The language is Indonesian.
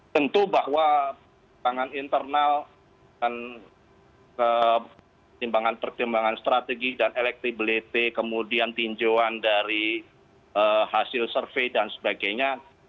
tentu bahwa pertimbangan internal dan pertimbangan pertimbangan strategi dan electibility kemudian tinjauan dari hasil survei dan sebagainya